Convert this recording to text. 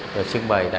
được trưng bày tại đây